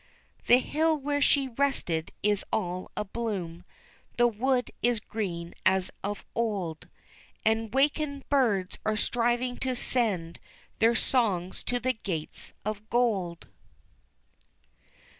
The hill where she rested is all a bloom the wood is green as of old, And 'wakened birds are striving to send their songs to the Gates of Gold.